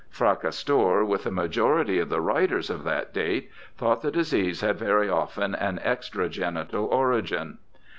PVacastor, with a majority of the writers of that date, thought the disease had very often an extra genital origin.